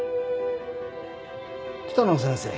北野先生。